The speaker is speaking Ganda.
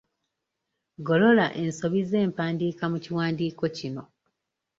Golola ensobi z'empandiika mu kiwandiiko kino.